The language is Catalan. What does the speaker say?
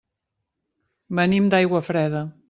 Venim d'Aiguafreda.